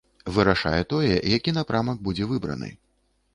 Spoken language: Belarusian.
Вырашае тое, які напрамак будзе выбраны.